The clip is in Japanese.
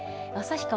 旭川